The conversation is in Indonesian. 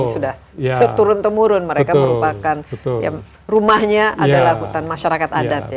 sudah seturun temurun mereka merupakan rumahnya adalah hutan masyarakat adat ya